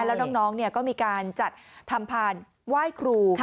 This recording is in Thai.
แล้วน้องก็มีการจัดทำพานไหว้ครู